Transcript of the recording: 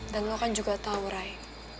dan lo kan juga tau rai